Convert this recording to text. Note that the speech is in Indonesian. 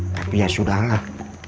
tapi ya sudah lah